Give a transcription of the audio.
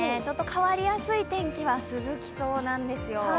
変わりやすい天気は続きそうなんですよ。